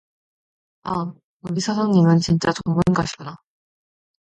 아, 우리 사장님은 진짜 전문가시구나